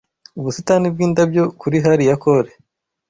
Ubusitani bwindabyo Kuri Hali ya Cole